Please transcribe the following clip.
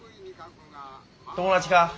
友達か？